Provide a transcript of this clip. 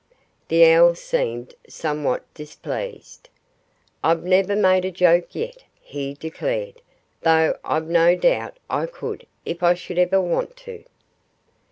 The owl seemed somewhat displeased. "I've never made a joke yet," he declared, "though I've no doubt I could, if I should ever want to."